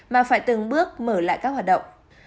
mà phải từng bước mở lại các hoạt động